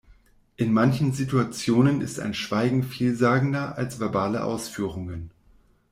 In manchen Situationen ist ein Schweigen vielsagender als verbale Ausführungen.